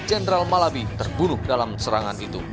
jendral malabi terbunuh dalam serangan itu